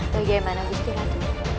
bagaimana gusti ratu